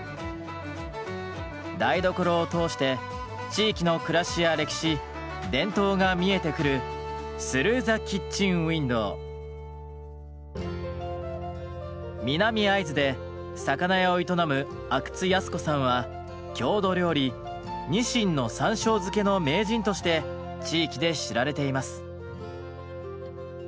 台所を通して地域の暮らしや歴史伝統が見えてくる南会津で魚屋を営む郷土料理「にしんの山しょう漬け」の名人として地域で知られています。